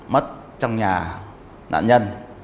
mất trong nhà nạn nhân